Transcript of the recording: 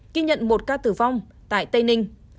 khi nhận một ca tử vong tại tây ninh